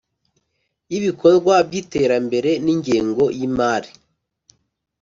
Y ibikorwa by iterambere n ingengo y imari